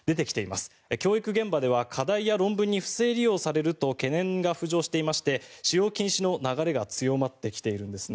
教育現場では課題や論文に不正利用されると懸念が浮上していまして使用禁止の流れが強まってきているんですね。